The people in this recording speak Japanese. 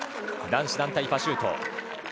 男子団体パシュート。